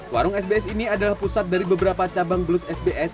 warung sbs ini adalah pusat dari beberapa cabang belut sbs